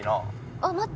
あっ待って。